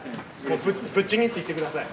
ぶっちぎっていって下さい。